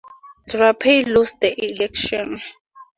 Drapeau lost the election.